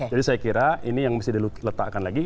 jadi saya kira ini yang mesti diletakkan lagi